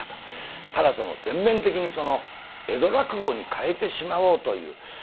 ただ全面的にその江戸落語にかえてしまおうという。